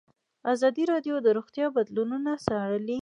ازادي راډیو د روغتیا بدلونونه څارلي.